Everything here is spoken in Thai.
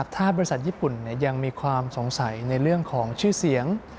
ถ้าบริษัทญี่ปุ่นยังมีความสงสัยในเรื่องของชื่อเสียง